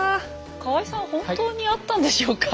河合さん本当にあったんでしょうか？